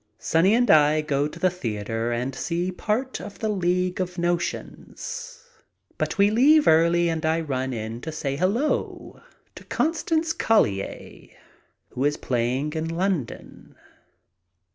Sonny and I go to the 96 MY TRIP ABROAD theater and see a part of the "League of Notions," but we leave early and I run in to say hello to Constance Collier, who is playing in London.